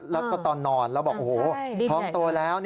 แล้วก็ตอนนอนเราบอกท้องโตแล้ว